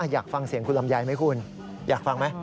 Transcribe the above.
อยากฟังเสียงคุณลำไยไหมคุณอยากฟังไหม